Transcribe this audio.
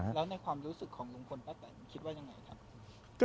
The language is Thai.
แล้วในความรู้สึกของลุงพลป้าแตนคิดว่ายังไงครับ